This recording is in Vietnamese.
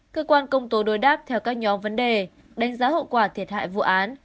cơ quan công tố đối đáp theo các nhóm vấn đề đánh giá hậu quả thiệt hại vụ án